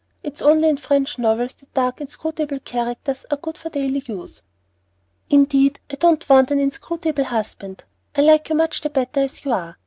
It's only in French novels that dark, inscrutable characters are good for daily use." "Indeed, I don't want an inscrutable husband. I like you much better as you are."